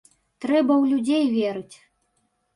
Трэба ў людзей верыць!